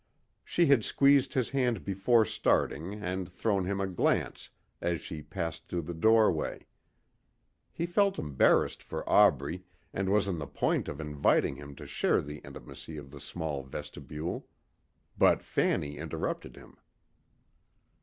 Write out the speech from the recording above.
She had squeezed his hand before starting and thrown him a glance as she passed through the doorway. He felt embarrassed for Aubrey and was on the point of inviting him to share the intimacy of the small vestibule. But Fanny interrupted him.